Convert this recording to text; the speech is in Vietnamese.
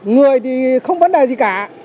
người thì không vấn đề gì cả